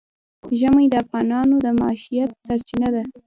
ژمی د افغانانو د معیشت سرچینه ده.